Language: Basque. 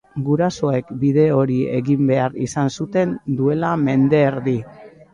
Gurasoek bide hori egin behar izan zuten duela mende erdi.